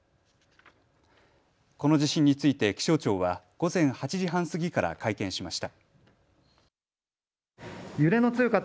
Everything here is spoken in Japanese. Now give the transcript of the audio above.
この地震について気象庁は午前８時半過ぎから会見しました。